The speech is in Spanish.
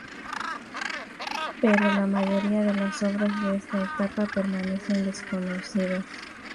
Pero la mayoría de las obras de esta etapa permanecen desconocidas.